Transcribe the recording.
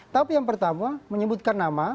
tapi yang pertama menyebutkan nama